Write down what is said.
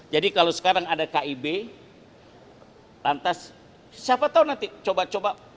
jadi kalau sekarang ada kib lantas siapa tahu nanti coba coba